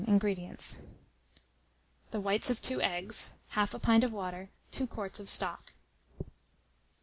INGREDIENTS. The whites of 2 eggs, 1/2 pint of water, 2 quarts of stock.